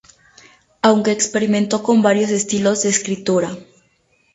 Aunque experimentó con varios estilos de escritura.